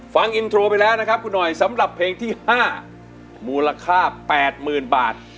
นะครับคุณหน่อยสำหรับเพลงที่ห้ามูลค่าแปดหมื่นบาท